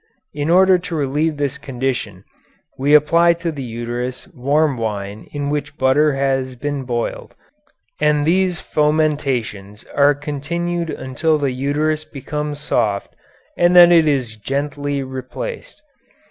In order to relieve this condition, we apply to the uterus warm wine in which butter has been boiled, and these fomentations are continued until the uterus becomes soft, and then it is gently replaced.